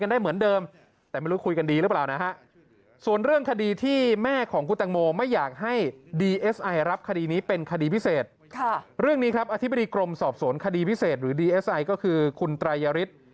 แต่ไม่รู้คุยกันดีหรือเปล่า